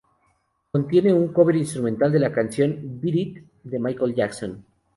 Contiene un cover instrumental de la canción "Beat It" de Michael Jackson.